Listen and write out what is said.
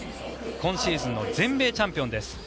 今シーズンの全米チャンピオンです。